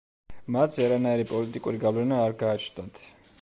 მათზე არანაირი პოლიტიკური გავლენა არ გააჩნდათ.